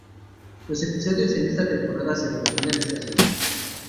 Los episodios en esta temporada se denominan "Estaciones"